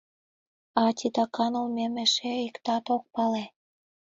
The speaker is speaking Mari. А титакан улмем эше иктат ок пале.